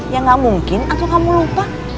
ya gak mungkin atau kamu lupa